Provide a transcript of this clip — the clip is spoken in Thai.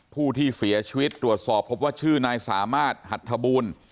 ผู้ที่เสียชีวิตตรวจสอบพบว่าชื่อนายสามารถหัทธบูล